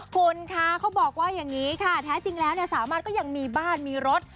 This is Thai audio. คุณคะเขาบอกว่าอย่างนี้ค่ะแท้จริงแล้วสามารถก็ยังมีบ้านมีรถ